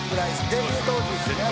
デビュー当時ですね」